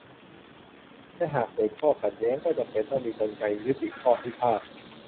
และหากเกิดข้อขัดแย้ง ก็จำเป็นต้องมีกลไกยุติข้อพิพาท